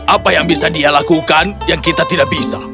apa yang bisa dia lakukan yang kita tidak bisa